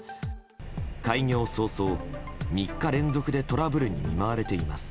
開業早々、３日連続でトラブルに見舞われています。